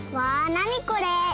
なにこれ？